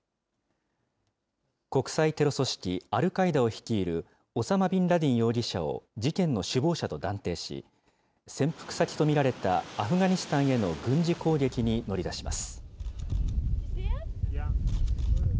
国際テロ組織アルカイダを率いるオサマ・ビンラディン容疑者を事件の首謀者と断定し、潜伏先と見られたアフガニスタンへの軍事攻撃に乗り出します。